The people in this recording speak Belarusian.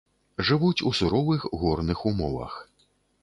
Жывуць у суровых горных умовах.